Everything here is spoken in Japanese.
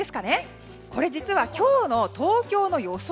実は今日の東京の予想